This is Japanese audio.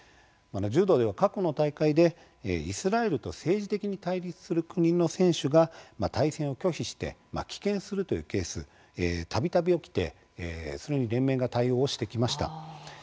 柔道では過去の大会でイスラエルと政治的に対立する国の選手が対戦を拒否して棄権するというケース、たびたび起きてそれに連盟が対応をしてきました。